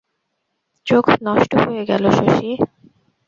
চোখ নষ্ট হয়ে গেল শশী!